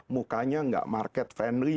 mukanya tidak market friendly